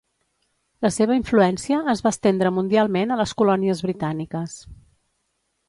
La seva influència es va estendre mundialment a les colònies britàniques.